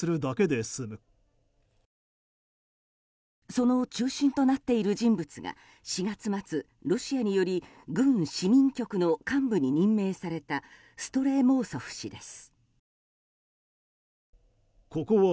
その中心となっている人物が４月末、ロシアにより軍市民局の幹部に任命されたストレモウソフ氏です。